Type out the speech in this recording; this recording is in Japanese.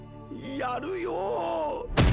やるよッ！